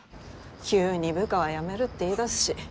急に部下は辞めるって言いだすし。